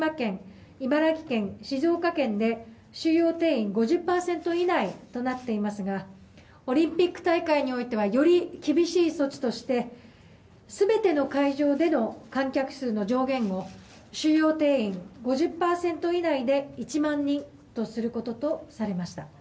宮城県、福島県茨城県、静岡県で収容人数５０％以内となっていますがオリンピック大会においてはより厳しい措置として全ての会場での観客数の上限を収容定員を５０％以内で１万人とすることとされました。